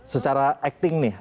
secara acting nih